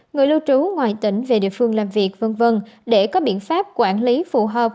người lưu trú ngoài tỉnh về địa phương làm việc v v để có biện pháp quản lý phù hợp